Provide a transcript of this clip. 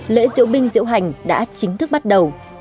lễ diễu binh diễu hành đã chính thức bắt đầu